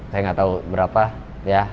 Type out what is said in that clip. saya nggak tahu berapa ya